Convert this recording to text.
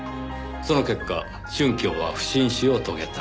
その結果春喬は不審死を遂げた。